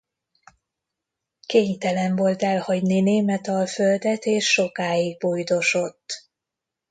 Kénytelen volt elhagyni Németalföldet és sokáig bujdosott.